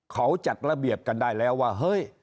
เขาจัดระเบียบกันได้แล้วว่าเฮ้ย